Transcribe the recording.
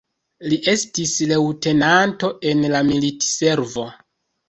Li estis leŭtenanto en la militservo.